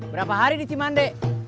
berapa hari di cimandek